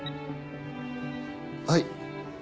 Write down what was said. はい。